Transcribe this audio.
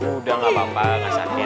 udah enggak apa apa enggak sakit ya